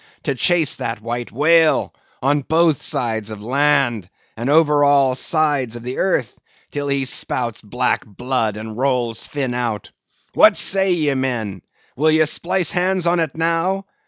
to chase that white whale on both sides of land, and over all sides of earth, till he spouts black blood and rolls fin out. What say ye, men, will ye splice hands on it, now?